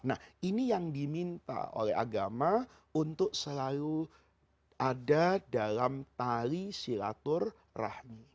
nah ini yang diminta oleh agama untuk selalu ada dalam tali silatur rahmi